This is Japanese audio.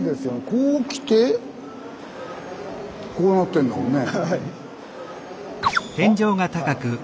こう来てこうなってんだもんね。